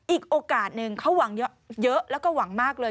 อีกโอกาสหนึ่งเขาหวังเยอะแล้วก็หวังมากเลย